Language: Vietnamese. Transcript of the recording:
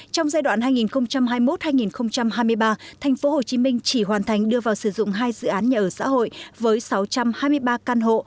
trong giai đoạn hai nghìn hai mươi một hai nghìn hai mươi ba tp hcm chỉ hoàn thành đưa vào sử dụng hai dự án nhà ở xã hội với sáu trăm hai mươi ba căn hộ